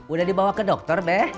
udah dibawa ke dokter beh